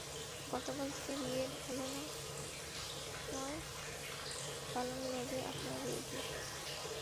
গতকাল থেকে বিয়ের হল নয়, বালান লজে আপনার ডিউটি।